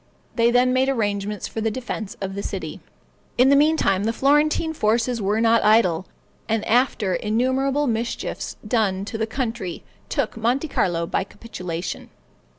They then made arrangements for the defense of the city. In the meantime, the Florentine forces were not idle; and after innumerable mischiefs done to the country took Monte Carlo by capitulation.